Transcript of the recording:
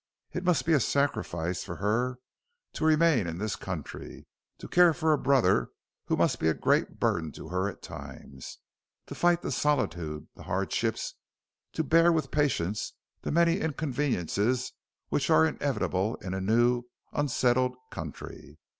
It must be a sacrifice for her to remain in this country, to care for a brother who must be a great burden to her at times, to fight the solitude, the hardships, to bear with patience the many inconveniences which are inevitable in a new, unsettled country.